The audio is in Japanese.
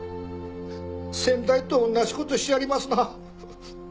先代とおんなじことしはりますな。